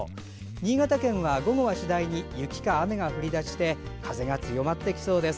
新潟県は午後は次第に雪か雨が降り出して風が強まってきそうです。